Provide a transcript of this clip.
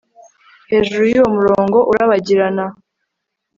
Hejuru yuwo murongo urabagirana